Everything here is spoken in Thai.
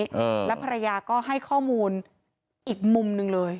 ผู้ชายท่านนี้แล้วภรรยาก็ให้ข้อมูลอีกมุมนึงเลย